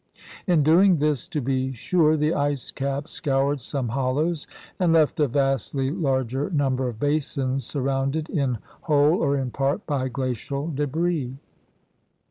In doing this, to be sure, the ice cap scoured some hollows and left a vastly larger number of basins surrounded in whole or in part by glacial debris.